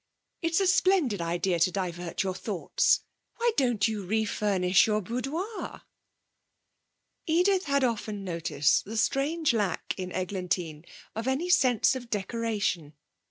'It's a splendid idea to divert your thoughts; why don't you refurnish your boudoir?' Edith had often noticed the strange lack in Eglantine of any sense of decoration.